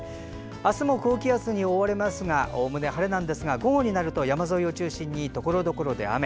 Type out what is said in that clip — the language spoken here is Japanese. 明日も高気圧に覆われますがおおむね晴れなんですが午後になると山沿いを中心にところどころで雨。